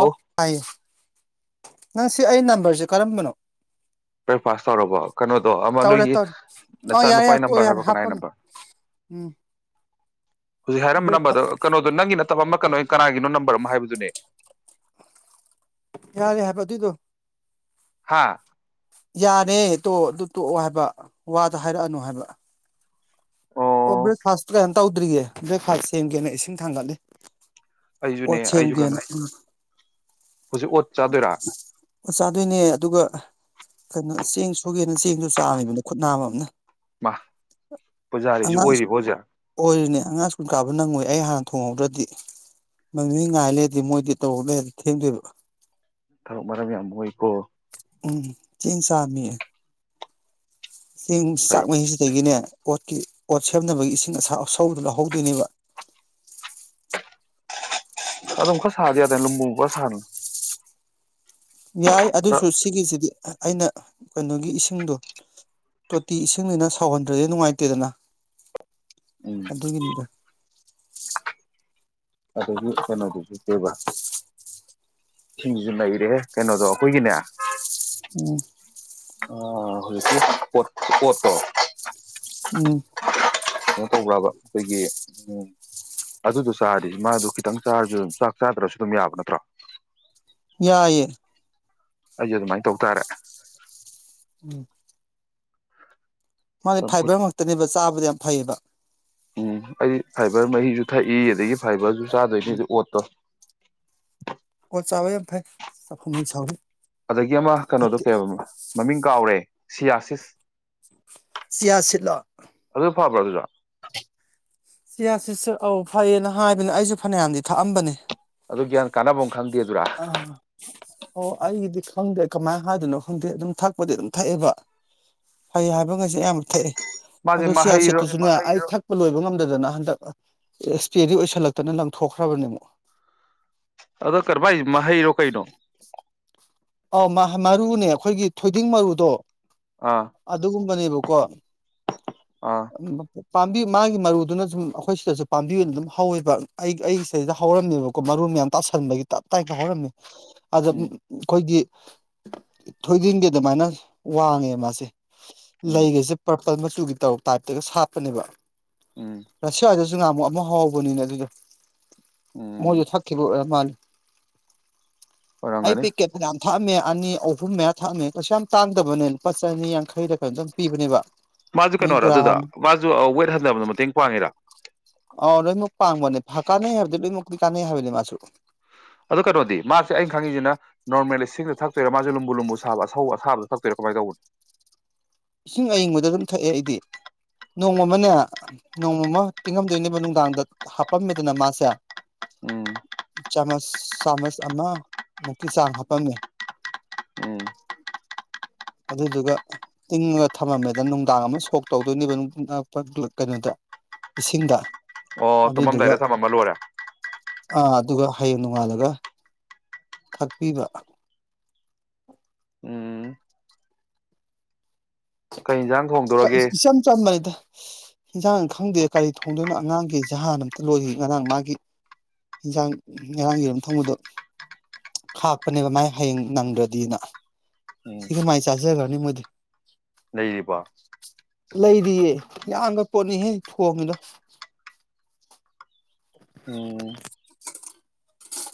ꯑꯣ ꯍꯥꯏꯨ ꯅꯪ ꯁꯤ ꯑꯩ ꯅꯝꯕꯔꯁꯦ ꯀꯔꯝꯕꯅꯣ ꯕ꯭ꯔꯦꯛꯐꯥꯁ ꯇꯧꯔꯕꯣ ꯀꯩꯅꯣꯗꯣ ꯑꯃ ꯇꯧꯔꯦ ꯅꯣꯏꯒꯤ ꯇꯧꯔꯦ ꯑꯣ ꯌꯥꯔꯦ ꯅꯆꯥꯅꯨꯄꯥꯒꯤ ꯌꯥꯔꯦ ꯇꯣꯛꯑꯣ ꯅꯝꯕꯔ ꯌꯥꯔꯦ ꯍꯥꯏꯕ꯭ꯔꯣ ꯀꯅꯥꯒꯤ ꯍꯥꯞꯄꯅꯨ ꯅꯝꯕꯔ ꯎꯝ ꯍꯧꯖꯤꯛ ꯍꯥꯏꯔꯝꯕ ꯕ꯭ꯔꯦꯛꯐꯥ ꯅꯝꯕꯗꯣ ꯀꯩꯅꯣꯗꯣ ꯅꯪꯒꯤ ꯅꯠꯇꯕ ꯑꯃ ꯀꯩꯅꯣ ꯀꯅꯥꯒꯤꯅꯣ ꯅꯝꯕꯔ ꯃꯔꯔꯝ ꯍꯥꯏꯕꯗꯨꯅꯦ ꯌꯥꯔꯦ ꯍꯥꯏ ꯄꯊꯏ ꯇ ꯍꯥꯥ ꯌꯥꯅꯤ ꯇꯣ ꯑꯗꯨ ꯇꯣꯛꯑꯣ ꯍꯥꯏꯕ ꯋꯥꯗ ꯍꯥꯏꯔꯛꯑꯅꯨ ꯍꯥꯏꯕ ꯑꯣ ꯕ꯭ꯔꯦꯛꯐꯥꯁꯇꯨ ꯀꯩꯅ ꯇꯧꯗ꯭ꯔꯤꯌꯦ ꯕ꯭ꯔꯦꯛꯐꯥꯁ ꯁꯦꯝꯒꯦꯅ ꯏꯁꯤꯡ ꯊꯥꯡꯒꯠꯂꯤ ꯑꯩꯖꯨꯅꯦ ꯑꯣꯁꯦꯝ ꯑꯩꯖꯨ ꯀ ꯀꯩꯅꯣ ꯍꯧꯖꯤꯛ ꯑꯣꯠ ꯆꯥꯗꯣꯏꯔꯥ ꯑꯣ ꯆꯥꯗꯣꯏꯅꯦ ꯑꯗꯨꯒ ꯀꯩꯅꯣ ꯆꯦꯡ ꯁꯨꯒꯦꯅ ꯆꯦꯡꯁꯨ ꯆꯥꯝꯃꯤꯕꯅ ꯈꯨꯠꯅꯥ ꯑꯃ ꯑꯝꯅ ꯋꯥ ꯑꯣꯖꯥꯔꯤꯁꯨ ꯑꯣꯏꯔꯤꯕꯣ ꯑꯣꯖꯥ ꯑꯣꯏꯔꯤꯅꯦ ꯑꯉꯥꯡ ꯁ꯭ꯀꯨꯜ ꯀꯥꯕ ꯅꯪꯉꯣꯏ ꯑꯩ ꯍꯥꯟꯅ ꯊꯣꯡꯍꯧꯗ꯭ꯔꯗꯤ ꯃꯃꯤ ꯉꯥꯏ ꯂꯩꯔꯗꯤ ꯃꯣꯏꯗꯤ ꯇꯧꯍꯧ ꯂꯩꯔꯗꯤ ꯊꯦꯡꯗꯣꯏꯕ ꯊꯕꯛ ꯃꯔꯝ ꯌꯥꯝ ꯑꯣꯏꯀꯣ ꯎꯝ ꯆꯤꯡ ꯆꯃꯤꯌꯦ ꯆꯦꯡ ꯆꯥꯛ ꯐꯩ ꯃꯍꯤꯁꯤꯗꯒꯤꯅꯦ ꯑꯣꯠꯀꯤ ꯑꯣꯣꯠ ꯁꯦꯝꯅꯕꯒꯤ ꯏꯁꯤꯡ ꯑꯁꯥꯎ ꯑꯁꯧꯗꯨ ꯂꯧꯍꯧꯗꯣꯏꯅꯦꯕ ꯑꯗꯨꯀ ꯁꯥꯗꯤ ꯌꯥꯗ ꯂ ꯃꯨꯕ ꯁꯅ ꯌꯥꯏ ꯑꯗꯨꯁꯨ ꯁꯤꯒꯤꯁꯤꯗꯤ ꯑꯩꯅ ꯀꯩꯅꯣꯒꯤ ꯏꯁꯤꯡꯗꯣ ꯇꯣꯇꯤ ꯏꯁꯤꯡꯅꯤꯅ ꯁꯥꯎꯍꯟꯗ꯭ꯔꯗꯤ ꯅꯨꯡꯉꯥꯏꯇꯦꯗꯅ ꯎꯝ ꯑꯙꯦ ꯀꯅꯤꯗ ꯑꯗꯒꯤ ꯀꯩꯅꯣꯗꯨꯁꯨ ꯀꯦꯕ ꯏꯁꯤꯡꯁꯤꯁꯨ ꯂꯩꯔꯦ ꯀꯩꯅꯣꯗꯣ ꯑꯩꯈꯣꯏꯒꯤꯅꯦ ꯎꯝ ꯑ ꯍꯧꯁꯨ ꯑꯣ ꯑꯣꯠꯇꯣ ꯎꯝ ꯀꯩꯅꯣ ꯇꯧꯕ꯭ꯔꯕ ꯑꯩꯈꯣꯏꯒꯤ ꯎ ꯑꯗꯨꯗꯣ ꯆꯥꯔꯔꯤ ꯃꯥꯗꯨ ꯈꯤꯇꯪ ꯆꯥꯔꯁꯨꯝ ꯆꯥꯛ ꯆꯥꯗ꯭ꯔꯁꯨ ꯑꯗꯨꯝ ꯌꯥꯕ ꯅꯠꯇ꯭ꯔꯣ ꯌꯥꯏꯦ ꯑꯩꯁꯨꯦ ꯑꯗꯨꯃꯥꯏꯅ ꯇꯧ ꯇꯥꯔꯦ ꯎꯝ ꯃꯥꯅꯦ ꯆꯝꯐꯨꯠ ꯐꯥꯏꯕꯔ ꯉꯛꯇꯅꯦꯕ ꯆꯥꯕꯗꯤ ꯌꯥꯝ ꯐꯩꯌꯦꯕ ꯎꯝ ꯑꯩ ꯐꯥꯏꯕꯔ ꯃꯍꯤꯁꯨ ꯊꯛꯏ ꯑꯗꯒꯤ ꯐꯥꯏꯕꯔꯁꯨ ꯆꯥꯗꯣꯏꯅꯤꯗꯤ ꯑꯣꯠꯇꯣ [unintelligible] ꯑꯣꯣ ꯆꯕ ꯐ ꯆ ꯑꯗꯥꯒꯤ ꯑꯥꯃꯥ ꯀꯦꯏꯅꯣ ꯗꯨ ꯀꯦꯏ ꯍꯥꯏꯕꯥ ꯃꯤꯃꯤꯡ ꯃꯃꯤꯡ ꯀꯕꯒ꯭ꯔꯦ꯫ ꯁꯌꯥꯁꯤꯁ ꯆꯤꯌꯥ ꯁꯤꯗ ꯂꯣ꯫ ꯐꯥꯕ꯭ꯔꯥ ꯑꯗꯨꯗꯨ꯫ ꯁꯤ ꯑ ꯁꯤꯠꯁ ꯑꯧ ꯐꯩꯌꯦꯅ ꯍꯥꯏꯕꯅꯤ ꯑꯩꯁꯨ ꯐꯅꯌꯥꯝꯗꯤ ꯊꯛꯑꯝꯕꯅꯦ ꯒ꯭ ꯀꯅꯥꯕꯨꯡ ꯑ ꯍ ꯑꯩꯒꯗꯤ ꯈꯪꯗꯦ ꯀꯃꯥꯏꯅ ꯍꯥꯏꯗꯣꯏꯅꯣ ꯈꯪꯗꯦ ꯑꯗꯨꯝ ꯊꯛꯄꯗꯤ ꯑꯗꯨꯝ ꯊꯛꯑꯦꯕ ꯐꯩ ꯍꯥꯏꯕ ꯉꯩꯁꯦ ꯑꯌꯥꯝꯕ ꯊꯛꯑꯦ ꯃꯥꯁꯦ ꯑꯗꯨ ꯆꯤꯌꯥ ꯃꯍꯩꯔꯣ ꯁꯤꯗ ꯁꯨ ꯑꯩ ꯊꯀꯄꯥ ꯂꯣꯏꯕꯥ ꯉꯃꯗꯅꯥ ꯅꯍꯟ꯫ ꯑꯦꯛꯁꯄꯥꯏꯔ ꯑꯣꯏꯁꯤꯅꯂꯛꯇꯅꯥ ꯂꯪꯊꯣꯈ꯭ꯔꯕꯅꯦ ꯑꯃꯨꯛ꯫ ꯑꯗꯣ ꯀꯔꯕꯥꯏꯁ ꯃꯍꯩꯔꯣ ꯀꯩꯅꯣ ꯑꯥ ꯃꯥ ꯃꯔꯨꯅꯦ ꯑꯈꯣꯏ ꯒꯤ ꯊꯣꯏꯗꯤꯡ ꯃꯔꯨ ꯗꯨ꯫ ꯑꯥ ꯑꯗꯨ ꯒꯨꯝꯕꯥ ꯅꯦ ꯀꯣ꯫ ꯑꯥ ꯄꯥꯝꯕꯤ ꯃꯥꯒꯤ ꯃꯔꯨꯗꯨꯅ ꯁꯨꯝ ꯑꯩꯈꯣꯏ ꯁꯤꯗꯁꯨ ꯄꯥꯝꯕꯤ ꯑꯣꯏꯅ ꯑꯗꯨꯝ ꯍꯧꯋꯦꯕ ꯑꯩ ꯑꯩꯒꯤ ꯁꯤꯗꯩꯗ ꯍꯧꯔꯝꯃꯦꯕꯀꯣ ꯃꯔꯨ ꯃꯌꯥꯝ ꯇꯥꯁꯟꯕꯒꯤ ꯇꯞ ꯇꯥꯏꯞꯇ ꯍꯧꯔꯝꯃꯦ ꯑꯗ ꯎꯝ ꯑꯩꯈꯣꯏꯒꯤ ꯊꯣꯏꯖꯤꯟꯒꯤ ꯑꯗꯨꯃꯥꯏꯅ ꯋꯥꯡꯉꯦ ꯃꯥꯁꯦ ꯎꯝ ꯂꯥꯏꯒꯩꯁꯦ ꯄ ꯀꯄꯜ ꯃꯆꯨꯒꯤ ꯇꯔ ꯇꯥꯏꯞꯇꯒ ꯁꯥꯞꯄꯅꯦꯕ ꯎꯝ ꯔꯁꯤꯖ ꯖ ꯉꯥꯃꯨꯛ ꯑꯃ ꯍꯧꯕꯅꯤꯅꯦ ꯑꯗꯨꯗ ꯎꯝ ꯃꯣꯏꯁꯨ ꯊꯥꯛꯈꯤꯕꯜ ꯑꯣꯏꯔꯒꯗꯤ ꯄꯦꯛꯀꯦꯠ ꯌꯥꯝ ꯊꯛꯑꯝꯃꯦ ꯑꯅꯤ ꯑꯍꯨꯝ ꯃꯌꯥ ꯊꯛꯑꯃꯦ ꯀꯩꯁꯨ ꯌꯥꯝ ꯇꯥꯡꯗꯕꯅꯦ ꯂꯨꯄꯥ ꯆꯅꯤ ꯌꯥꯡꯈꯩꯗ ꯀꯩꯅꯣꯝꯇꯪ ꯄꯤꯕꯅꯦꯕ ꯃꯥꯁꯨ ꯃꯣꯏ ꯀꯩꯅꯣꯔꯥ ꯑꯗꯨꯗ ꯒ꯭ꯔꯥꯝ ꯃꯥꯁꯨ ꯋꯦꯠ ꯍꯟꯊꯕꯗ ꯃꯇꯦꯡ ꯄꯥꯡꯉꯤꯔ ꯑ ꯂꯣꯏꯅꯃꯛ ꯄꯥꯡꯕꯅꯦꯥ ꯀꯥꯟꯅꯩ ꯍꯥꯏꯕꯗꯤ ꯂꯣꯏꯃꯛꯇꯤ ꯀꯥꯟꯅꯩ ꯍꯥꯏꯕꯅꯤ ꯃꯥꯁꯨ ꯑꯗꯣ ꯀꯩꯅꯣꯗꯤ ꯃꯥꯁꯦ ꯑꯩꯅ ꯈꯪꯉꯤꯁꯤꯅ ꯅꯣꯔꯃꯦꯜꯂꯤ ꯁꯤꯡꯗ ꯊꯛꯇꯣꯏꯔꯥ ꯃꯥꯁꯦ ꯂꯨꯝꯕꯨ ꯂꯨꯝꯕꯨ ꯁꯥꯕ ꯑꯁꯧ ꯑꯁꯥꯕꯗ ꯊꯛꯇꯣꯏꯔꯥ ꯀꯃꯥꯏꯅ ꯇꯧꯕꯅꯣ ꯏꯁꯤꯡ ꯑꯏꯤꯡꯕꯗ ꯑꯗꯨꯝ ꯊꯛꯑꯦ ꯑꯩꯗꯤ ꯅꯣꯡꯃꯃꯅꯦ ꯅꯣꯡꯃꯃ ꯇꯤꯡꯉꯝꯗꯣꯏꯅꯦꯕ ꯅꯨꯡꯗꯥꯡꯗ ꯍꯥꯞꯄꯝꯃꯦꯗꯅ ꯃꯥꯁꯦ ꯎꯝ ꯆꯥꯃꯁ ꯆꯥꯃꯁ ꯑꯃꯃꯨꯛꯀꯤ ꯆꯥꯡ ꯍꯥꯞꯄꯝꯃꯦ ꯎꯝ ꯑꯗꯨꯗꯨꯒ ꯇꯤꯡꯉꯒ ꯊꯝꯃꯝꯃꯦꯗ ꯅꯨꯡꯗꯥꯡ ꯑꯃ ꯁꯣꯛ ꯇꯧꯗꯣꯏꯅꯦꯕ ꯀꯩꯅꯣꯗ ꯏꯁꯤꯡꯗ ꯑꯣ ꯑꯗꯨꯗꯨꯒ ꯇꯨꯝꯃꯝꯗꯥꯏꯗ ꯊꯝꯃꯝꯃ ꯂꯣꯏꯔꯦ ꯑꯥ ꯑꯗꯨꯒ ꯍꯌꯦꯡ ꯅꯣꯡꯉꯥꯜꯂꯒ ꯊꯥꯛꯄꯤꯕ ꯎꯝ ꯀꯩ ꯌꯦꯟꯁꯥꯡ ꯀ ꯊꯣꯡꯗꯣꯔꯒꯦ ꯏꯁꯝ ꯆꯥꯟ ꯃꯥꯔꯤꯗ ꯍꯟꯁꯥꯡ ꯈꯪꯗꯦ ꯀꯔꯤ ꯊꯣꯡꯗꯣꯏꯅꯣ ꯑꯉꯥꯡꯒꯤ ꯖꯍꯥꯟ ꯑꯝꯇ ꯂꯣꯏꯁꯤ ꯉꯔꯥꯡ ꯃꯥꯒꯤ ꯏꯟꯖꯥꯡ ꯉꯔꯥꯡꯒꯤ ꯑꯃꯝ ꯊꯣꯡꯕꯗꯣ ꯈꯥꯛꯄꯅꯦꯕ ꯃꯥꯥꯏ ꯍꯌꯦꯡ ꯅꯪꯗ꯭ꯔꯗꯤꯅ ꯁꯤ ꯀꯃꯥꯏꯅ ꯆꯥꯖꯈ꯭ꯔꯕꯅꯤ ꯃꯣꯏꯗꯤ ꯂꯩꯔꯤꯕꯔꯤꯕ ꯂꯩꯔꯤꯌꯦ ꯌꯥꯝꯒ ꯄꯣꯠꯅꯤꯍꯦ ꯊꯣꯡꯉꯤꯗ ꯇꯣ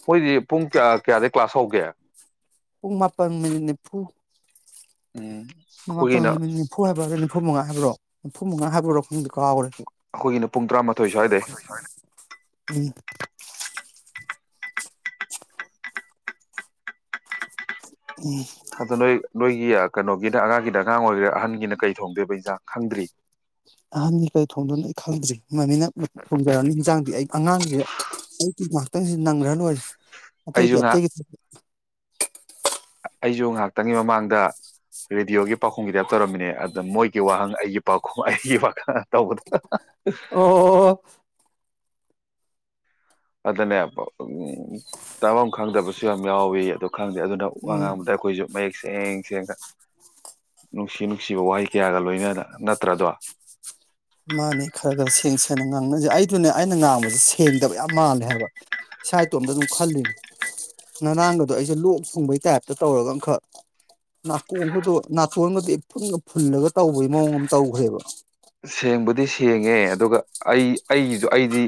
ꯃꯣꯏꯗꯤ ꯄꯨꯡ ꯀꯌꯥ ꯀꯌꯥꯗꯒꯤ ꯀ꯭ꯂꯥꯁ ꯍꯧꯒꯦ ꯄꯨꯡ ꯃꯥꯄꯜ ꯃꯤꯅꯤꯠ ꯅꯤꯐꯨ ꯎꯝ ꯃꯥꯄꯜ ꯑꯩꯈꯣꯏꯒꯤꯅ ꯃꯤꯅꯠ ꯅꯤꯐꯨ ꯍꯥꯏꯕ꯭ꯔꯣ ꯅꯤꯐꯨ ꯃꯉꯥ ꯍꯥꯏꯕ꯭ꯔꯣ ꯅꯤꯐꯨ ꯃꯉꯥ ꯍꯥꯕ꯭ꯔꯔꯣ ꯑꯩꯈꯣꯏꯒꯤꯅ ꯄꯨꯡ ꯇꯔꯥꯃꯥꯊꯣꯏ ꯁ꯭ꯋꯥꯏꯗꯩ ꯎꯝ ꯎꯝ ꯑꯗꯣ ꯅꯣꯏ ꯅꯣꯏꯒꯤ ꯀꯩꯅꯣꯒꯤꯅ ꯑꯉꯥꯡꯒꯤꯅ ꯑꯉꯥꯡ ꯑꯣꯏꯒꯦꯔꯥ ꯑꯍꯟꯒꯤꯅ ꯀꯩ ꯊꯣꯡꯗꯣꯏꯕ ꯏꯟꯖꯥꯡ ꯈꯪꯗ꯭ꯔꯤ ꯑꯍꯟꯒꯤ ꯀꯔꯤ ꯊꯣꯡꯗꯣꯏꯅ ꯑꯩ ꯈꯪꯗ꯭ꯔꯤ ꯃꯅꯤꯅ ꯊꯣꯡꯖꯔꯛꯅꯤ ꯍꯟꯖꯥꯡꯗꯤ ꯑꯩ ꯑꯉꯥꯡꯁꯤ ꯑꯩꯒꯤ ꯉꯥꯏꯍꯥꯛꯇꯪꯁꯤ ꯅꯪꯈ꯭ꯔ ꯂꯣꯏꯔꯦ ꯑꯇꯩꯒꯤꯗꯤ ꯑꯩꯁꯨ ꯉꯍꯥꯛ ꯑꯇꯩꯒꯤ ꯑꯩꯁꯨ ꯉꯥꯏꯍꯥꯛꯇꯪꯒꯤ ꯃꯃꯥꯡꯗ ꯔꯦꯗꯤꯑꯣꯒꯤ ꯄꯥꯎꯈꯨꯝꯒꯤꯇꯥꯏꯞ ꯇꯧꯔꯝꯃꯤꯅꯦ ꯑꯗꯨꯗ ꯃꯣꯏꯒꯤ ꯋꯥꯍꯪ ꯑꯩꯒꯤ ꯄꯥꯎꯈꯨꯝ ꯑꯩꯒꯤ ꯇꯧꯕꯗ ꯑꯣ ꯑꯗꯨꯅꯦ ꯇꯥꯐꯝ ꯈꯪꯗꯕꯁꯨ ꯌꯥꯝ ꯌꯥꯎꯋꯤ ꯑꯗꯨ ꯈꯪꯗꯦ ꯑꯗꯨꯅ ꯋꯥ ꯎꯝ ꯉꯥꯡꯕꯗ ꯑꯩꯈꯣꯏꯁꯨ ꯃꯌꯦꯛ ꯁꯦꯡ ꯁꯦꯡꯅ ꯅꯨꯡꯁꯤ ꯅꯨꯡꯁꯤꯕ ꯋꯥꯍꯩ ꯀꯌꯥꯒ ꯂꯣꯏꯅ ꯅꯠꯇ꯭ꯔꯗꯣ ꯃꯥꯅꯦ ꯈꯔ ꯈꯔ ꯁꯦꯡ ꯁꯦꯡꯅ ꯉꯥꯡꯅꯁꯦ ꯑꯩꯗꯨꯅꯦ ꯑꯩꯅ ꯉꯥꯡꯕꯁꯦ ꯁꯦꯡꯗꯕ ꯌꯥꯝ ꯃꯥꯜꯂꯦ ꯍꯥꯏꯕ ꯏꯁꯥꯥꯏꯇꯣꯝꯇ ꯑꯗꯨꯝ ꯈꯜꯂꯤꯅꯦ ꯉꯔꯥꯡꯒꯗꯣ ꯑꯩꯁꯦ ꯂꯣꯛ ꯊꯨꯡꯕꯒꯤ ꯇꯥꯏꯞꯇ ꯇꯧꯔꯒ ꯑꯃꯈꯛ ꯅꯥꯇꯣꯟꯕꯗꯣ ꯅꯥꯇꯣꯟꯒꯗꯤ ꯐꯨꯟꯒ ꯐꯨꯜꯂꯒ ꯇꯧꯕꯒꯤ ꯃꯑꯣꯡ ꯑꯃ ꯇꯧꯈ꯭ꯔꯦꯕ ꯁꯦꯡꯕꯨꯗꯤ ꯁꯦꯡꯉꯦ ꯑꯗꯨꯒ ꯑꯩ ꯑꯩꯒꯤꯁꯨ ꯑꯩꯗꯤ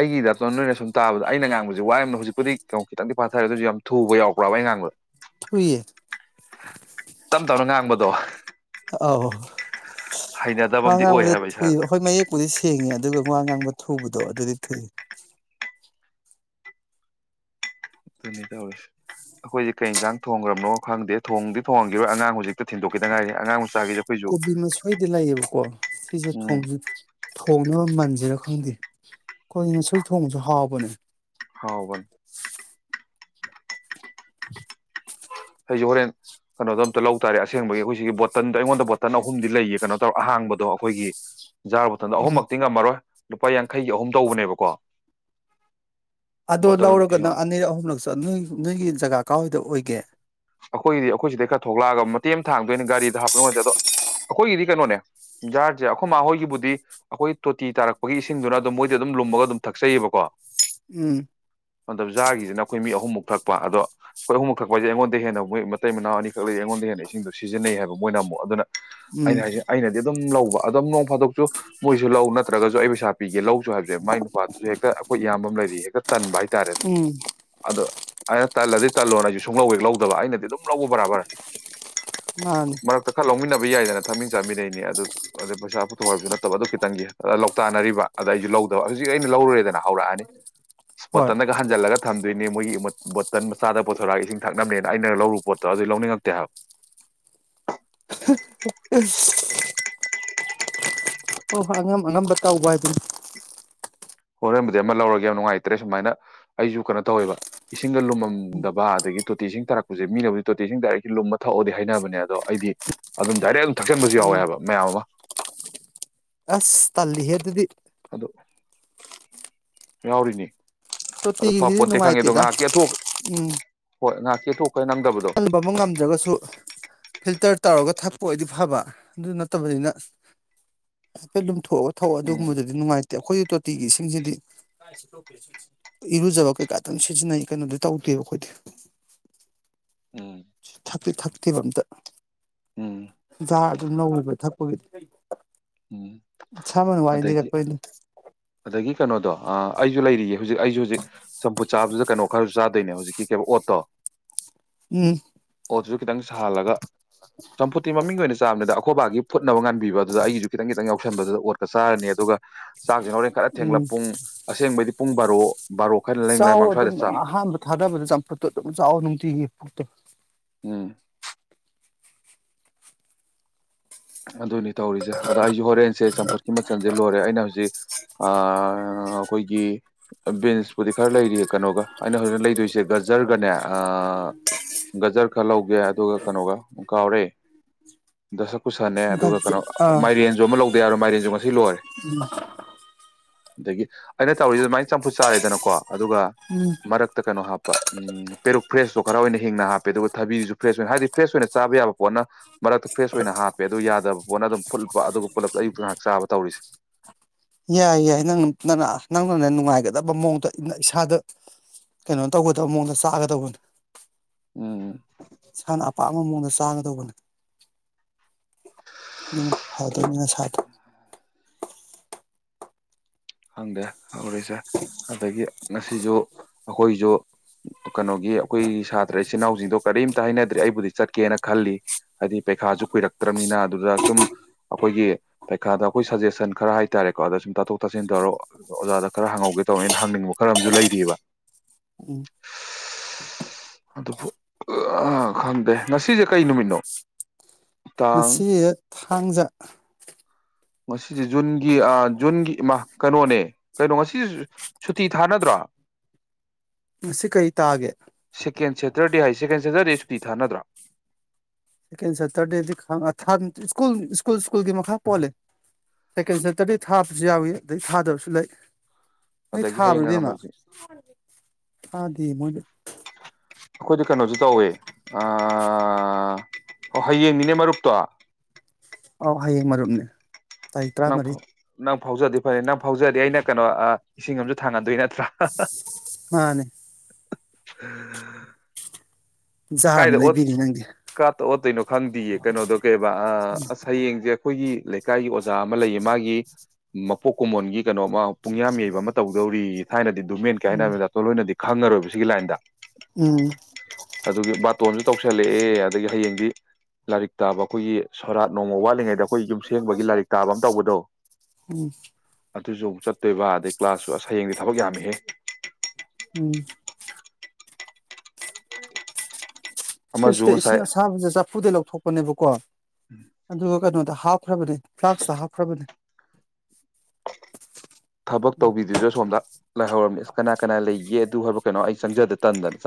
ꯑꯩꯒꯤ ꯗꯞꯇ ꯅꯣꯏꯅ ꯁꯨꯝ ꯇꯥꯕꯗ ꯑꯩꯅ ꯉꯥꯡꯕꯁꯤ ꯋꯥꯌꯥꯝꯅꯥ ꯍꯧꯖꯤꯛꯄꯨꯗꯤ ꯀꯩꯅꯣ ꯈꯤꯇꯪꯗꯤ ꯐꯥꯊꯔꯦ ꯑꯗꯨꯁꯨ ꯌꯥꯝ ꯊꯨꯕ ꯌꯥꯎꯕ꯭ꯔꯕ ꯑꯩ ꯉꯥꯡꯕꯗ ꯊꯨꯏꯑ ꯇꯞ ꯇꯞꯅ ꯉꯥꯡꯕꯗꯣ ꯍꯩꯅꯗꯕ ꯑꯣꯌ ꯑꯃꯗꯤ ꯑꯣꯏ ꯑꯉꯥꯡꯕꯗ ꯍꯥꯏꯕ ꯏꯁꯥꯗ ꯊꯨꯏꯕ ꯑꯩꯈꯣꯏ ꯃꯌꯦꯛꯄꯨꯗꯤ ꯁꯦꯡꯉꯦ ꯑꯗꯨꯒ ꯋꯥ ꯉꯥꯡꯕ ꯊꯨꯕꯗꯣ ꯑꯗꯨꯗꯤ ꯊꯨꯏ ꯑꯗꯨ ꯇꯧꯔꯤꯁꯦ ꯑꯩꯈꯣꯏꯁꯦ ꯀꯩ ꯌꯦꯟꯁꯥꯡ ꯊꯣꯡꯈ꯭ꯔꯕꯅꯣ ꯈꯪꯗꯦ ꯊꯣꯡꯗꯤ ꯊꯣꯡꯉꯟꯈꯤꯔꯣꯏ ꯑꯉꯥꯡ ꯍꯧꯖꯤꯛꯇ ꯊꯤꯟꯗꯣꯛꯈꯤꯗꯉꯥꯏꯅꯤ ꯑꯉꯥꯡꯖꯤꯛ ꯀꯣꯕꯤ ꯃꯁꯣꯏꯗꯤ ꯂꯩꯌꯦꯕꯀꯣ ꯁꯤꯁꯦ ꯎꯝ ꯊꯣꯡꯅꯕ ꯃꯜꯁ ꯁꯤꯔ ꯈꯪꯗꯦ ꯀꯣꯕꯤ ꯃ ꯁꯣꯏ ꯊꯣꯡꯕꯁꯨ ꯍꯥꯎꯕꯅꯦ ꯍꯥꯎꯕꯅꯤ ꯑꯩꯁꯦ ꯍꯣꯔꯦꯟ ꯀꯩꯅꯣꯗꯣ ꯑꯝꯇ ꯂꯧ ꯇꯥꯔꯦ ꯑꯁꯦꯡꯕꯒꯤ ꯑꯩꯈꯣꯏꯁꯤꯒꯤ ꯕꯣꯇꯜꯗꯣ ꯑꯩꯉꯣꯟꯗ ꯕꯣꯇꯜ ꯑꯍꯨꯝꯗꯤ ꯂꯩꯌꯦ ꯀꯩꯅꯣ ꯇꯧꯔ ꯑꯍꯥꯡꯕꯗꯣ ꯑꯩꯈꯣꯏꯒꯤ ꯖꯔ ꯕꯣꯠꯇꯜꯗꯣ ꯎꯝ ꯑꯍꯨꯝꯃꯛꯇꯤ ꯉꯝꯃꯔꯣꯏ ꯂꯨꯄꯥ ꯌꯥꯡꯈꯩꯒꯤ ꯑꯍꯨꯝ ꯇꯧꯕꯅꯦꯕꯀꯣ ꯑꯗꯣ ꯕꯣꯇꯜꯗꯣ ꯂꯧꯔꯒ ꯏꯁꯤꯡ ꯅꯪ ꯑꯅꯤꯔꯛ ꯑꯍꯨꯝꯂꯛꯁꯨ ꯅꯣꯏ ꯅꯣꯏꯒꯤ ꯖꯒꯥ ꯀꯗꯥꯋꯥꯏꯗ ꯑꯣꯏꯒ ꯒꯦ ꯑꯩꯈꯣꯏꯒꯤꯗꯤ ꯑꯩꯈꯣꯏ ꯁꯤꯗꯩ ꯈꯔ ꯊꯣꯛꯂꯛꯑꯒ ꯃꯇꯦꯝ ꯊꯥꯡꯗꯣꯏꯅ ꯒꯥꯔꯤꯗ ꯍꯥꯞꯄ ꯅꯨꯡꯉꯥꯏꯗꯦ ꯑꯗꯣ ꯑꯩꯈꯣꯏꯒꯤꯗꯤ ꯀꯩꯅꯣꯅꯦ ꯖꯥꯔꯁꯦ ꯑꯩꯈꯣꯏ ꯃꯥꯍꯣꯏꯒꯤꯕꯨꯗꯤ ꯑꯩꯈꯣꯏ ꯇꯣꯇꯤ ꯇꯥꯔꯛꯄꯒꯤ ꯏꯁꯤꯡꯗꯨꯅ ꯑꯗꯨꯝ ꯃꯣꯏꯗꯤ ꯑꯗꯨꯝ ꯂꯨꯝꯃꯒ ꯑꯗꯨꯝ ꯊꯛꯆꯩꯌꯦꯕꯀꯣ ꯎꯝ ꯑꯥꯗ ꯖꯔ ꯒꯤ ꯁꯤꯅ ꯑꯩꯈꯣꯏ ꯃꯤ ꯑꯍꯨꯝꯃꯨꯛ ꯊꯛ ꯑꯗꯣ ꯑꯩꯈꯣꯏ ꯑꯍꯨꯝ ꯃꯛꯊꯛ ꯄꯥꯁꯦ ꯑꯩꯉꯣꯟꯗ ꯗ ꯍꯦꯟꯅ ꯃꯣꯏ ꯃꯇꯩ ꯃꯅꯥ ꯑꯅꯤꯈꯛ ꯂꯩ ꯑꯩꯉꯣꯟꯗ ꯍꯦꯟꯅ ꯏꯁꯤꯡꯗꯣ ꯁꯤꯖꯤꯟꯅꯩ ꯍꯥꯏꯕ ꯃꯣꯏꯅ ꯑꯃꯨꯛ ꯑꯗꯨꯅ ꯑꯩꯅ ꯎꯝ ꯍꯥꯏꯁ ꯑꯩꯅꯗꯤ ꯑꯗꯨꯝ ꯂꯧꯕ ꯑꯗꯨꯝ ꯅꯣꯡ ꯐꯥꯗꯣꯛꯁꯨ ꯃꯣꯏꯁꯨ ꯂꯧ ꯅꯠꯇ꯭ꯔꯒꯁꯨ ꯑꯩ ꯄꯩꯁꯥ ꯄꯤꯒꯦ ꯂꯧ ꯍꯥꯏꯕꯦ ꯃꯥꯏ ꯅꯨꯄꯥꯗꯨꯁꯨ ꯍꯦꯛꯇ ꯑꯩꯈꯣꯏ ꯏꯌꯥꯝꯕ ꯑꯃ ꯂꯩ ꯒ ꯇꯟꯚ ꯇꯔꯦ ꯎꯝ ꯑꯗ ꯑꯩꯅ ꯇꯜꯂꯗꯤ ꯇꯜꯂꯣꯅ ꯑꯩꯁꯨꯨꯡ ꯂꯧꯋꯦ ꯂꯧ ꯑꯗꯨꯕ ꯑꯩꯅꯗꯤ ꯑꯗꯨꯝ ꯂꯧꯕ ꯕꯔꯥꯕꯔ ꯃꯥꯅꯤ ꯃꯔꯛꯇ ꯈꯔ ꯂꯧꯃꯤꯟꯅꯕ ꯌꯥꯏꯗꯅ ꯊꯥꯃꯤꯟ ꯆꯥꯃꯤꯟꯅꯩꯅꯤ ꯑꯗꯨ ꯑꯗꯩ ꯄꯩꯁꯥ ꯄꯨꯊꯣꯛ ꯍꯥꯏꯕꯁꯨ ꯅꯠꯇꯕ ꯑꯗꯨ ꯈꯤꯇꯪꯒꯤ ꯑ ꯂ ꯂꯧꯇꯅꯔꯤꯕ ꯑꯗ ꯑꯩꯁꯨ ꯂꯧꯗꯕ ꯍꯧꯖꯤꯛ ꯑꯩꯅ ꯂꯧꯔꯨꯔꯦꯗꯅ ꯍꯧꯔꯛꯑꯅꯤ ꯍꯣꯏ ꯃꯣꯇꯟꯗꯒꯍꯥꯟꯖꯜꯂꯒ ꯊꯝꯗꯦ ꯣꯏꯅꯦ ꯃꯣꯏꯒꯤ ꯕꯇꯜ ꯃꯆꯥꯗ ꯄꯣꯊꯣꯔꯑꯒ ꯏꯁꯤꯡ ꯊꯛ ꯅꯅꯦꯅ ꯑꯩꯅ ꯂꯧꯔꯨꯕ ꯄꯣꯠꯇꯣ ꯑꯗꯨ ꯂꯧꯅꯤꯡꯉꯛꯇꯦ ꯍꯥꯏꯕ ꯎ ꯍꯣꯏ ꯍꯣꯏ ꯑꯉꯝ ꯑꯉꯝꯕ ꯇꯧꯕ ꯍꯥꯏꯗꯨꯅꯤ ꯍꯣꯔꯦꯟꯕꯨꯗꯤ ꯑꯃ ꯂꯧꯔꯒꯦ ꯌꯥꯝ ꯅꯨꯡꯉꯥꯏꯇ꯭ꯔꯦ ꯁꯨꯃꯥꯏꯅ ꯑꯩꯁꯨ ꯀꯩꯅꯣ ꯇꯧꯋꯦꯕ ꯏꯁꯤꯡꯒ ꯂꯨꯝꯃꯝꯗꯕ ꯑꯗꯒꯤ ꯇꯣꯇꯤ ꯏꯁꯤꯡ ꯇꯥꯔꯛꯄꯁꯦ ꯃꯤꯅꯕꯨꯗꯤ ꯇꯣꯇꯤ ꯏꯁꯤꯡ ꯗꯥꯏꯔꯦꯛꯂꯤ ꯂꯨꯝꯃ ꯊꯛꯑꯣꯗꯤ ꯍꯥꯏꯅꯕꯅꯦ ꯑꯗꯣ ꯑꯩꯗꯤ ꯑꯗꯨꯝ ꯗꯥꯏꯔꯦꯛ ꯑꯗꯨꯝ ꯊꯛꯆꯟꯕꯁꯨ ꯌꯥꯎꯋꯦ ꯎꯝ ꯍꯥꯏꯕ ꯃꯌꯥꯝ ꯑꯃ ꯑꯁ ꯇꯜꯂꯤꯍꯦ ꯑꯗꯨꯗꯤ ꯑꯗ ꯌꯥꯎꯔꯤꯅꯤ ꯑꯗꯣ ꯐ ꯇꯣꯇꯤꯒꯤꯁꯤꯗꯤ ꯄꯣꯟꯇꯦ ꯈꯪꯉꯦ ꯑꯗꯣ ꯅꯨꯡꯉꯥꯏꯇꯦꯗ ꯉꯥꯏꯍꯥꯛꯀꯤꯤ ꯑꯊꯣꯛ ꯍꯣꯏ ꯉꯥꯏꯍꯥꯛ ꯁꯤꯇꯣ ꯀꯟꯕꯕꯨ ꯉꯝꯗ꯭ꯔꯒꯁꯨ ꯐꯤꯜꯇꯔ ꯇꯧꯔꯒ ꯊꯛꯄ ꯑꯣꯏꯗꯤ ꯐꯕ ꯑꯗꯨ ꯅꯠꯇꯕꯅꯤꯅ ꯍꯥꯏꯐꯦꯠ ꯊꯣꯛꯑꯒ ꯊꯛ ꯎꯝ ꯑꯗꯨꯒꯨꯝꯕꯗꯨꯗꯤ ꯅꯨꯡꯉꯥꯏꯇꯦ ꯑꯩꯈꯣꯏꯒꯤ ꯇꯣꯇꯤꯒꯤ ꯏꯁꯤꯡꯁꯤꯗꯤ ꯏꯔꯨꯖꯕ ꯀꯩꯀꯥ ꯑꯗꯨꯝ ꯁꯤꯖꯤꯟꯅꯩ ꯀꯩꯅꯣꯗꯤ ꯇꯧꯗꯦꯕ ꯑꯩꯈꯣꯏꯗꯤ ꯎꯝ ꯑꯗꯨ ꯊꯛꯇꯦꯕ ꯑꯝꯇ ꯎꯝ ꯖꯥ ꯑꯗꯨꯝ ꯂꯧꯋꯤꯕ ꯊꯛꯄꯒꯤꯗꯤ ꯎꯝ ꯏꯁꯥꯃꯛꯅ ꯋꯥꯔꯤ ꯑꯗꯒꯤ ꯂꯤꯔꯛꯄꯩꯅꯤ ꯑꯗꯒꯤ ꯀꯩꯅꯣꯗꯣ ꯑꯩꯁꯨ ꯂꯩꯔꯤꯌꯦ ꯍꯧꯖꯤꯛ ꯑꯩꯁꯨ ꯍꯧꯖꯤꯛ ꯆꯝꯐꯨꯠ ꯆꯥꯕꯁꯤꯗ ꯀꯩꯅꯣ ꯈꯔꯁꯨ ꯆꯥꯗꯣꯏꯅꯦ ꯍꯧꯖꯤꯛ ꯀ ꯀꯦꯕ ꯑꯣꯠꯇ ꯎꯝ ꯑꯣꯠꯇꯨꯁꯨ ꯈꯤꯇꯪ ꯁꯥꯍꯜꯂꯒ ꯆꯝꯐꯨꯇꯤ ꯃꯃꯤꯡꯒꯤ ꯑꯣꯏꯅ ꯆꯥꯕꯅꯤꯗ ꯑꯩꯈꯣꯏ ꯈꯣꯢꯕꯥꯒꯤ ꯐꯨꯠꯅꯕ ꯉꯥꯟꯕꯤꯕ ꯑꯗꯨ ꯑꯩꯒꯤꯁꯨ ꯈꯤꯇꯪ ꯈꯤꯇꯪ ꯌꯥꯎꯁꯟꯕꯗꯨꯗ ꯑꯣꯠ ꯆꯥꯔꯅꯤ ꯑꯗꯨꯒ ꯆꯥꯛꯁꯦ ꯍꯣꯔꯦꯟ ꯈꯔ ꯎꯝ ꯊꯦꯡꯂꯞ ꯄꯨꯡ ꯑꯁꯦꯡꯕꯩꯗꯤ ꯄꯨꯡ ꯕꯥꯔꯣ ꯕꯥꯔꯣ ꯈꯔ ꯂꯦꯡ ꯆꯥꯎ ꯂꯩꯔꯃꯥꯡ ꯑꯗꯨꯝ ꯁ꯭ꯋꯥꯏꯗ ꯆꯥꯕ ꯑꯍꯥꯟꯕ ꯊꯥꯗꯕꯗ ꯆꯝꯐꯨꯠꯇꯣ ꯑꯗꯨꯝ ꯆꯥꯎ ꯅꯨꯡꯇꯤꯒꯤ ꯄꯨꯛꯇꯣ ꯎꯝ ꯑ ꯑꯗꯨꯅꯤ ꯇꯧꯔꯤꯁꯦ ꯑꯗ ꯑꯩꯁꯨ ꯍꯣꯔꯦꯟꯁꯦ ꯆꯝ ꯄꯣꯠꯀꯤ ꯃꯆꯜꯁꯦ ꯂꯣꯏꯔꯦ ꯑꯩꯅ ꯍꯧꯖꯤꯛ ꯑꯩꯈꯣꯏꯒꯤ ꯕꯤꯟꯁꯄꯨꯗꯤ ꯈꯔ ꯂꯩꯔꯤꯌꯦ ꯀꯩꯅꯣꯒ ꯑꯩꯅ ꯍꯧꯖꯤꯛꯅ ꯂꯩꯗꯣꯏꯁꯦ ꯒꯖꯔꯒꯅꯦ ꯒꯖꯔ ꯈꯔ ꯂꯧꯒꯦ ꯑꯗꯨꯒ ꯀꯩꯅꯣꯒ ꯀꯥꯎꯔꯦ ꯀꯨꯁꯥꯅꯦ ꯑꯗꯨꯒ ꯒꯖꯦ ꯀꯩꯅꯣ ꯃꯥꯏꯔꯦꯟꯖꯨ ꯑꯃ ꯂꯧ [unintelligible] ꯃꯥꯏꯔꯦꯖꯨ ꯉ ꯎꯝ ꯑꯗꯒꯤ ꯑꯩꯅ ꯇꯧꯔꯤꯁꯤ ꯑꯗꯨꯃꯥꯏꯅ ꯆꯝꯐꯨꯠ ꯆꯥꯔꯦꯗꯅꯀꯣ꯫ ꯑꯗꯨꯒ ꯎꯝ ꯃꯔꯛꯇ ꯀꯩꯅꯣ ꯍꯥꯞꯄ꯫ ꯎꯝ ꯄꯦꯔꯨꯛ ꯐ꯭ꯔꯦꯁꯇꯣ ꯈꯔ ꯑꯣꯏꯅ ꯍꯦꯡꯅ ꯍꯥꯞꯄꯦ ꯑꯗꯨꯒ ꯊꯕꯤꯁꯨ ꯐ꯭ꯔꯦꯁ ꯑꯣꯏꯅ ꯍꯥꯏꯗꯤ ꯐ꯭ꯔꯦꯁ ꯑꯣꯏꯅ ꯆꯥꯕ ꯌꯥꯕ ꯄꯣꯠꯅ ꯃꯔꯛꯇ ꯐ꯭ꯔꯦꯁ ꯑꯣꯏꯅ ꯍꯥꯞꯄꯦ꯫ ꯄꯦ ꯑꯗꯨ ꯌꯥꯗꯕ ꯄꯣꯠꯅ ꯑꯗꯨꯝ ꯐꯨꯠꯄ ꯑꯗꯨꯒ ꯄꯨꯂꯞ ꯑꯌꯨꯛꯇ ꯉꯍꯥꯛ ꯆꯥꯕ ꯇꯧꯔꯤꯁꯦ꯫ ꯌꯥꯏ ꯌꯥꯏ ꯅꯪ ꯅꯪꯅ ꯅꯪꯅꯅꯦ ꯅꯨꯡꯉꯥꯏꯒꯗꯕ ꯃꯑꯣꯡꯗ ꯏꯁꯥꯗ ꯀꯩꯅꯣ ꯇꯧꯒꯗꯕ ꯃꯑꯣꯡꯗ ꯆꯥꯒꯗꯧꯕꯅꯦ꯫ ꯎꯝ ꯎꯝ꯫ ꯏꯁꯥꯅ ꯑꯄꯥꯝꯕ ꯃꯑꯣꯡꯗ ꯆꯥꯒꯗꯧꯕꯅꯦ꯫ ꯅ ꯐꯥꯎꯗꯧꯅꯦ ꯅꯁꯥꯗꯣ꯫ ꯈꯪꯗꯦ ꯍꯧꯔꯤꯁꯦ ꯑꯗꯒꯤ ꯉꯁꯤꯁꯨ ꯑꯩꯈꯣꯏꯁꯨ ꯀꯩꯅꯣꯒꯤ ꯑꯩꯈꯣꯏꯒꯤ ꯁꯥꯇ꯭ꯔ ꯏꯆꯤꯟꯅꯥꯎꯁꯤꯡꯗꯣ ꯀꯔꯤꯝꯇ ꯍꯥꯏꯅꯗ꯭ꯔꯦ ꯑꯩꯕꯨꯗꯤ ꯆꯠꯀꯦꯅ ꯈꯜꯂꯤ ꯍꯥꯏꯗꯤ ꯄꯩꯈꯥꯁꯨ ꯀꯨꯏꯔꯛꯇ꯭ꯔꯕꯅꯤꯅ ꯑꯗꯨꯗ ꯁꯨꯝ ꯑꯩꯈꯣꯏꯒꯤ ꯄꯩꯈꯥꯗ ꯑꯩꯈꯣꯏ ꯁꯖꯦꯁꯟ ꯈꯔ ꯍꯥꯏꯇꯥꯔꯦꯀꯣ ꯑꯗ ꯁꯨꯝ ꯇꯥꯊꯣꯛ ꯇꯥꯁꯤꯟ ꯇꯧꯔꯣ ꯑꯣꯖꯥꯗ ꯈꯔ ꯍꯪꯍꯧꯒꯦ ꯇꯧꯅꯦ ꯑꯩꯅ ꯍꯪꯅꯤꯡꯕ ꯈꯔ ꯑꯃꯁꯨ ꯂꯩꯔꯤꯑꯕ꯫ ꯎꯝ ꯑꯗꯨꯕꯨ ꯑ ꯈꯪꯗꯦ ꯉꯁꯤꯁꯦ ꯀꯩ ꯅꯨꯃꯤꯠꯅꯣ꯫ ꯇꯥꯡ ꯉꯁꯤꯁꯦ꯫ ꯊꯥꯡꯖ꯫ ꯉꯁꯤꯁꯦ ꯖꯨꯟꯒꯤ ꯑ ꯖꯨꯟꯒꯤ ꯏꯃꯥ ꯀꯩꯅꯣꯅꯦ ꯀꯩꯅꯣ ꯉꯁꯤ ꯁꯨꯇꯤ ꯊꯥꯅꯗ꯭ꯔꯣ꯫ ꯉꯁꯤ ꯀꯔꯤ ꯇꯥꯒꯦ꯫ ꯁꯦꯀꯦꯟ ꯁꯦꯇꯔꯗꯦ ꯍꯥꯏ ꯁꯦꯀꯦꯟ ꯁꯦꯇ꯭ꯔꯗꯦ ꯁꯨꯇꯤ ꯊꯥꯅꯗ꯭ꯔꯥ꯫ ꯁꯦꯀꯦꯟ ꯁꯦꯇꯔꯗꯦꯗꯤ ꯑ ꯁꯀꯨꯜ ꯁ꯭ꯀꯨꯜ ꯁ꯭ꯀꯨꯜꯒꯤ ꯃꯈꯥ ꯄꯣꯜꯂꯦ ꯁꯦꯀꯦꯟ ꯁꯦꯇꯔꯗꯦ ꯊꯥꯕꯁꯨ ꯌꯥꯎꯏ ꯑꯗꯩ ꯊꯥꯗꯕꯁꯨ ꯂꯩ꯫ ꯅꯣꯏ ꯑꯗꯒꯤ ꯊꯥꯕ꯭ꯔ ꯍꯌꯦꯡꯅ ꯏꯕꯦꯝꯃ꯫ ꯅꯣꯡꯃꯥꯏꯖꯤꯡ [unintelligible] ꯃꯣꯏ ꯑꯩꯈꯣꯏꯗꯤ ꯀꯩꯅꯣꯁꯨ ꯇꯧꯑꯦ ꯑ ꯍꯌꯦꯡꯅꯤꯅꯦ ꯃꯔꯨꯞꯇꯣ꯫ ꯑꯧ ꯍꯌꯦꯡ ꯃꯔꯨꯞꯅꯦ꯫ ꯇꯥꯔꯤꯛ ꯇꯔꯥꯃꯔꯤ [unintelligible] ꯐꯥꯎꯖꯗꯤ ꯐꯔꯦ ꯅꯪ ꯐꯥꯎꯖꯗꯤ ꯑꯩꯅ ꯀꯩꯅꯣ ꯑ꯫ ꯏꯁꯤꯡ ꯑꯃꯁꯨ ꯊꯥꯡꯉꯗꯣꯏꯅ ꯃꯥꯅꯦ꯫ [unintelligible] ꯖꯥꯔ ꯑꯃ ꯂꯩꯕꯤꯅꯤ ꯅꯪꯒꯤ꯫ ꯑꯣꯇꯣꯏꯅꯣ꯫ ꯈꯪꯗꯤꯌꯦ ꯀꯩꯅꯣꯗꯣ ꯀꯩꯕ ꯑ ꯑꯁ ꯍꯌꯦꯡꯁꯦ ꯑꯩꯈꯣꯏꯒꯤ꯫ ꯂꯩꯀꯥꯏꯒꯤ ꯑꯣꯖꯥ ꯑꯃ ꯂꯩꯌꯦ ꯃꯥꯒꯤ ꯃꯄꯣꯛ ꯀꯨꯝꯃꯣꯟꯒꯤ ꯀꯩꯅꯣꯝꯃ꯫ ꯄꯨꯡꯌꯥꯝ ꯌꯩꯕ ꯑꯃ ꯇꯧꯗꯧꯔꯤ꯫ ꯊꯥꯏꯅꯗꯤ꯫ [unintelligible] ꯃꯦꯟ ꯎꯝ ꯀꯥꯏꯅꯒ ꯍꯣꯏꯅꯗꫭ ꯑꯈꫭꯏꯂꫭꯏꯅꯗꯤ ꯈꯪꯉꯔꯣꯏꯕ ꯁꯤꯒꯤ ꯂꯥꯏꯟꯗ ꯎꯝ ꯑꯗꯨꯒꯤ ꯕꯥꯇꯣꯟꯁꯨ ꯇꯧꯁꯜꯂꯛꯑꯦ ꯑꯗꯒꯤ ꯍꯌꯦꯡꯗꯤ ꯂꯥꯏꯔꯤꯛ ꯇꯥꯕ ꯑꯩꯈꯣꯏꯒꯤ ꯐꯣꯔꯥ ꯅꯣꯡꯃ ꯋꯥꯠꯂꯤꯉꯩꯗ ꯑꯩꯈꯣꯏ ꯌꯨꯝꯁꯦꯡꯕꯒꯤ ꯂꯥꯏꯔꯤꯛ ꯇꯥꯕ ꯑꯃ ꯇꯧꯕꯗꯣ ꯎꯝ ꯑꯗꯨꯁꯨ ꯆꯠꯇꫭꯏꯕ ꯑꯗꯩ ꯀ꯭ꯂꯥꯁꯁꯨ ꯁꯌꯦꯡꯗꯤ ꯊꯕꯛ ꯌꯥꯝꯃꯤꯍꯦ ꯎꯝ ꯁꯤꯗꯩ ꯑꯃꯁꯨ ꯁꯤꯗ ꯉꯁꯥꯏ ꯏꯁꯤꯡ ꯑꯁꯥꯕꯁꯦ ꯆꯐꯨꯗꯩ ꯂꯧꯊꯣꯛ ꯎꯅꯩꯕ ꯀꯣ ꯑꯗꯨ ꯀꯩꯅꫭꯗ ꯍꯥꯞ ꯍꯥꯞꯈ꯭ꯔꯕꯅꯦ ꯐ꯭ꯂꯥꯛꯁꯇ ꯍꯥꯞꯈ꯭ꯔꯕꯅꯦ ꯊꯕꯛ ꯇꯧꯕꯤꯗꯨꯁꯨ ꯑꯁꯣꯝꯗ ꯂꯥꯏꯍꯧꯔꯝꯅꯤ ꯑꯁ ꯀꯅꯥ ꯀꯅꯥ ꯂꯩꯒꯦ ꯑꯗꯨ ꯍꯥꯏꯕ ꯀꯩꯅꯣ ꯑꯩ ꯆꯪꯖꯗꯦ ꯇꯟꯗꯅꯤ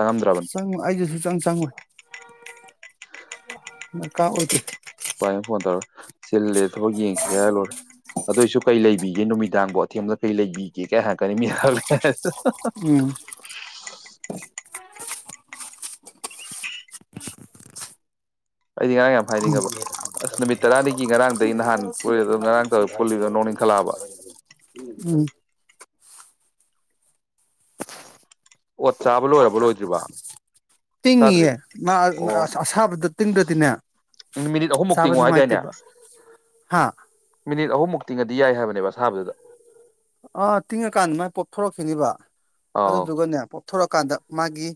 ꯆꯪꯉꯨ ꯑꯩꯁꯨ ꯁꯨꯆꯪ ꯆꯪꯉꫭꯏ ꯃꯀꯥ ꯑꯣꯏ ꯗꯦ ꯥꯍꯥꯏ ꯐꯣꯟ ꯇꯧꯔ ꯆꯜꯂꯦ ꯊꯕꯛ ꯌꯦꯡꯁꯤꯦ ꯍꯥꯏꯔ ꯂꯣꯏꯨꯔꯦ ꯑꯗꯨꯑꯣꯏꯁꯨ ꯀꯩ ꯂꯩꯕꯤꯒꯦ ꯅꯨꯃꯤꯗꯥꯡꯕꯣ ꯑꯊꯦꯡꯕꯗ ꯀꯩ ꯂꯩꯕꯤꯒꯦ ꯀꯩ ꯍꯔꯛꯀꯅꯤ ꯃꯤꯂ ꯎꯝ ꯑꯩꯗꯤ ꯉꯔꯥꯡ ꯌꯥꯝ ꯍꯥꯏꯅꯤꯡꯉꯕ ꯑꯁ ꯅꯨꯃꯤꯠ ꯇꯔꯥꯅꯤꯒꯤ ꯉꯔꯥꯡ ꯅꯍꯥꯟ ꯄꯨꯜꯂꯤꯗꯣ ꯇꯧꯔ ꯄꯨꯜꯂꯤꯗꯣ ꯅꯣꯡꯅꯤꯡꯈꯠꯂꯛꯑꯕ ꯎꯝ ꯑꯣꯠ ꯆꯥꯕ ꯂꯣꯏꯔꯕ ꯂꯣꯏꯗ꯭ꯔꯤꯕ ꯆꯥꯗ꯭ꯔꯤ ꯇꯤꯡꯉꯌꯦ ꯃꯥ ꯑꯣ ꯑꯁꯥꯕꯗ ꯇꯤꯡꯗ꯭ꯔꯗꯤꯅꯦ ꯃꯤꯅꯤꯠ ꯑꯍꯨꯝꯃꯨꯛ ꯆꯥꯕ ꯇꯤꯡꯉꯣ ꯍꯥꯏꯗꯥꯏꯅꯦ ꯅꯨꯡꯉꯥꯏꯇꯦꯕ ꯍꯥ ꯃꯤꯅꯤꯠ ꯑꯍꯨꯝꯃꯨꯛ ꯇꯤꯡꯉꯗꯤ ꯌꯥꯏ ꯍꯥꯏꯕꯅꯦꯕ ꯑꯁꯥꯕꯗꯨꯗ ꯑꯥ ꯇꯤꯡꯉꯀꯥꯟꯗ ꯃꯥꯏ ꯄꯣꯞꯊꯣꯔꯛꯈꯤꯅꯤꯕ ꯑꯥꯎ ꯑꯗꯨꯗꯨꯒꯅ ꯄꯣꯞ ꯊꯂꯛꯀꯥꯟꯗ ꯃꯥꯒꯤ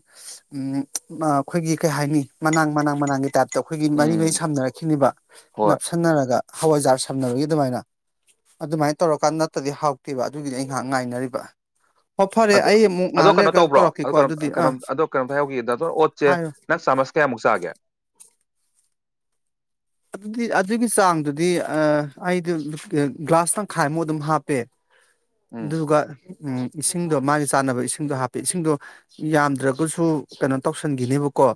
ꯎꯝ ꯑꯩꯈꯣꯏꯒꯤ ꯀꯩ ꯍꯥꯏꯅꯤ ꯃꯅꯥꯛ ꯃꯅꯡ ꯃꯅꯥꯛꯒꯤ ꯇꯥꯏꯞ ꯑꯩꯈꯣꯏꯒꯤ ꯃꯔꯤ ꯎꯝ ꯃꯔꯤ ꯁꯝꯅꯔꯛꯈꯤꯅꯦꯕ ꯍꯣꯏ ꯅꯞꯁꯟꯅꯔꯒ ꯍꯋꯥꯏꯖꯥꯔ ꯁꯝꯅꯔꯒꯤ ꯑꯗꯨꯃꯥꯏꯅ ꯑꯗꯨꯃꯥꯏꯅ ꯇꯧꯔꯀꯥꯟꯗ ꯅꯠꯇ꯭ꯔꯗꯤ ꯅꯠꯇꯦꯕ ꯑꯗꯨꯒꯤꯗꯤ ꯑꯩ ꯉꯥꯏꯍꯥꯛ ꯉꯥꯏꯅꯔꯤꯕ ꯍꯣ ꯐꯔꯦ ꯑ ꯑꯩ ꯑꯃꯨꯛ ꯑꯗꯣ ꯉꯥꯏꯍꯥꯛ ꯀꯩꯅꯣ ꯂꯩꯔꯒ ꯇꯧꯕ꯭ꯔꯣ ꯑ ꯇꯧꯔꯛꯀꯦꯀꯣ ꯀꯩꯅꯣ ꯑꯗꯨꯗꯤ ꯑꯥ ꯀꯩꯅꯣꯝ ꯑꯗꯣ ꯀꯩꯅꯣꯝꯇ ꯍꯥꯏꯍꯧꯈꯤ ꯗꯥꯛꯇꯔ ꯑꯣꯠꯁꯦ ꯍꯥꯏꯌꯣ ꯅꯪ ꯆꯥꯃꯁ ꯀꯌꯥꯃꯨꯛ ꯆꯥꯒꯦ ꯑꯗꯨꯗꯤ ꯑꯗꯨꯒꯤ ꯆꯥꯡꯗꯨꯗꯤ ꯑꯩꯗꯤ ꯒ꯭ꯂꯥꯁ ꯇꯪꯈꯥꯏꯃꯨꯛ ꯑꯗꯨꯝ ꯍꯥꯞꯄꯦ ꯎꯝ ꯑꯗꯨꯒꯒ ꯎꯝ ꯏꯁꯤꯡꯗꯣ ꯃꯥꯒꯤ ꯆꯥꯅꯕ ꯏꯁꯤꯡꯗꯣ ꯍꯥꯞꯄꯦ ꯏꯁꯤꯡꯗꯣ ꯌꯥꯝꯗ꯭ꯔꯒꯁꯨ ꯀꯩꯅꯣ ꯇꯧꯁꯟꯈꯤꯅꯦꯕꯀꯣ